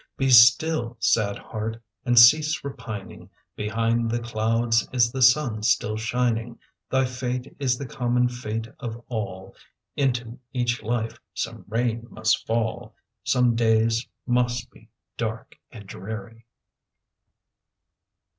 Be still, sad heart! and cease repining; Behind the clouds is the sun still shining; Thy fate is the common fate of all, Into each life some rain must fall, Some days must be dark and dreary.